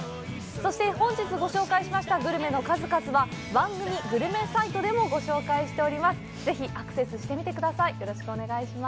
そして、本日ご紹介しましたグルメの数々は、番組グルメサイトでもご紹介しております。